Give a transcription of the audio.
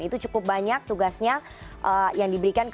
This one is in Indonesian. itu cukup banyak tugasnya yang diberikan